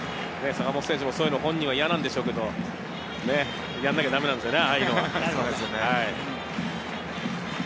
坂本選手もそういうの本人は嫌なんでしょうけど、やんなきゃだめなんですよね。